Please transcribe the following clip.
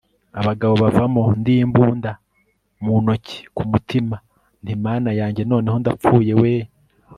abagabo bavamo ndimbunda munoki, kumutima nti mana yanjye noneho ndapfuye we!!